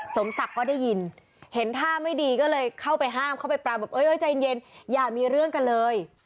สมศักดิ์ก็ได้ยินเห็นท่าไม่ดีก็เลยเข้าไปห้ามเข้าไปปรามแบบเอ้ยใจเย็นอย่ามีเรื่องกันเลย